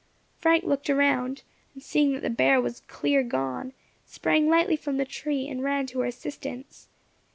Frank looked all round, and seeing that the bear was "clear gone," sprang lightly from the tree, and ran to her assistance.